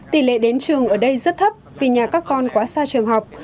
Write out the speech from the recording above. tỷ lệ đến trường ở đây rất thấp vì nhà các con quá xa trường học